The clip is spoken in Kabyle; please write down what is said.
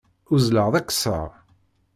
Uzzleɣ d akessar.